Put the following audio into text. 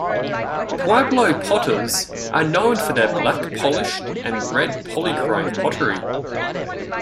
Pueblo potters are known for their black polished and red polychrome pottery.